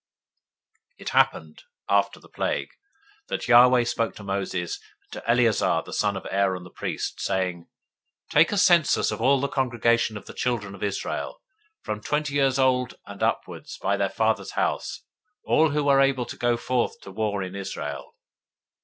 026:001 It happened after the plague, that Yahweh spoke to Moses and to Eleazar the son of Aaron the priest, saying, 026:002 Take the sum of all the congregation of the children of Israel, from twenty years old and upward, by their fathers' houses, all who are able to go forth to war in Israel.